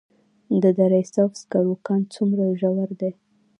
د دره صوف سکرو کان څومره ژور دی؟